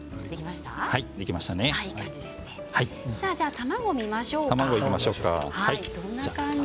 卵を見ましょう。